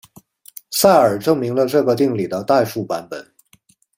塞尔证明了这个定理的代数版本。